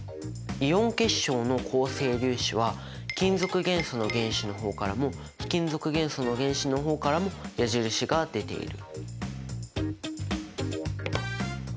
イオン結晶の構成粒子は金属元素の原子の方からも非金属元素の原子の方からも矢印が出ている。